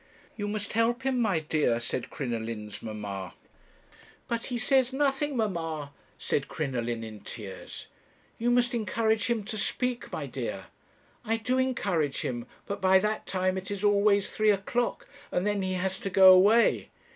"'You must help him, my dear,' said Crinoline's mamma. "'But he says nothing, mamma,' said Crinoline in tears. "'You must encourage him to speak, my dear.' "'I do encourage him; but by that time it is always three o'clock, and then he has to go away.'